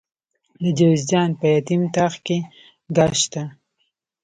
د جوزجان په یتیم تاغ کې ګاز شته.